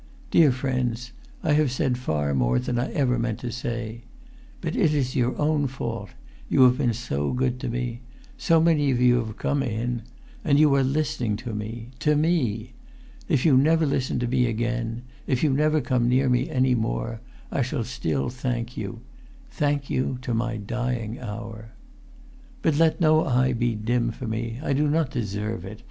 . "Dear friends, I have said far more than I ever meant to say. But it is your own fault; you have been so good to me; so many of you have come in; and you are listening to me—to me! If you never listen to me again, if you never come near me any more, I shall still thank you—thank you—to my dying hour! [Pg 322]"But let no eye be dim for me. I do not deserve it.